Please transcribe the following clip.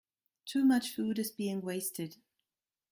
Too much food is being wasted.